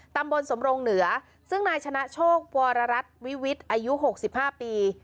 ตำบลสมโรงเหนือซึ่งนายชนะโชควรรัตน์วิวิตอายุหกสิบห้าปี